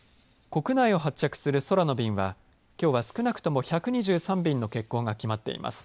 国内を発着する空の便はきょうは少なくとも１２３便の欠航が決まっています。